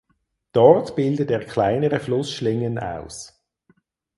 Dort bildet er kleinere Flussschlingen aus.